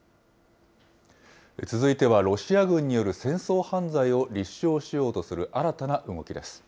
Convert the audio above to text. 続いてはロシア軍による戦争犯罪を立証しようとする新たな動きです。